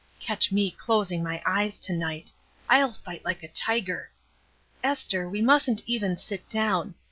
Catch me closing my eyes to night 1 1*11 fight like a tiger. Esther, we mustn't even sit down!